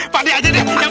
pade aja dia yang bawa ini